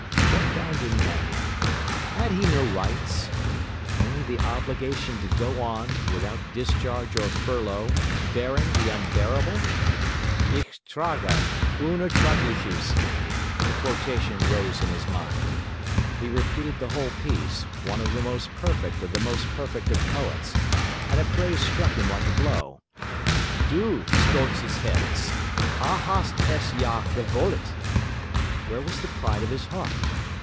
What bound him now? Had he no rights? only the obligation to go on, without discharge or furlough, bearing the unbearable? Ich trage unertragliches, the quotation rose in his mind; he repeated the whole piece, one of the most perfect of the most perfect of poets; and a phrase struck him like a blow: Du, stolzes Herz, A hast es ja gewolit. Where was the pride of his heart?